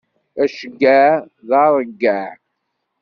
Aceggeɛ d aṛeggeɛ.